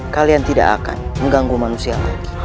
kalian tidak akan mengganggu manusia lagi